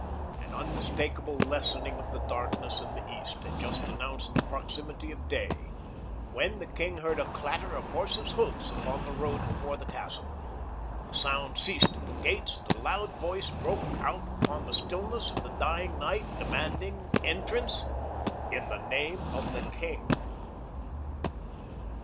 An unmistakable lessening of the darkness in the east had just announced the proximity of day, when the king heard a clatter of horses' hoofs upon the road before the castle. The sound ceased at the gates and a loud voice broke out upon the stillness of the dying night demanding entrance "in the name of the king."